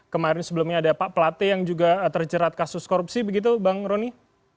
kemarin sebelumnya ada pak plate yang juga terjerat kasus korupsi begitu bang roni